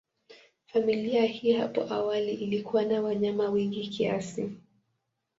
Familia hii hapo awali ilikuwa na wanyama wengi kiasi.